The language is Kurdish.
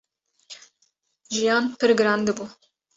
jiyan pir giran dibû.